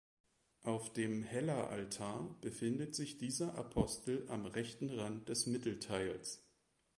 Auf dem Heller-Altar befindet sich dieser Apostel am rechten Rand des Mittelteils.